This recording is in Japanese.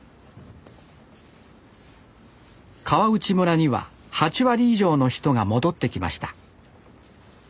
川内村には８割以上の人が戻ってきました。